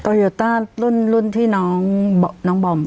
โตโยต้ารุ่นที่น้องบอม